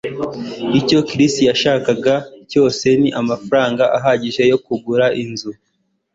Icyo Chris yashakaga rwose ni amafaranga ahagije yo kugura inzu